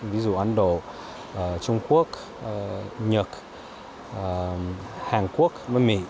ví dụ ấn độ trung quốc nhật hàn quốc với mỹ